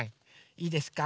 いいですか